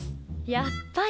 やっぱり。